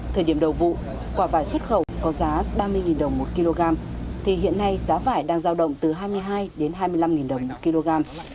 thời điểm đầu vụ quả vải xuất khẩu có giá ba mươi đồng một kg thì hiện nay giá vải đang giao động từ hai mươi hai đến hai mươi năm đồng một kg